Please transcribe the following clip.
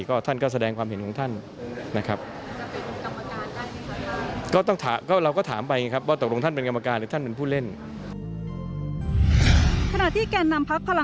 ก็ท่านก็แสดงความเห็นของท่านนะครับ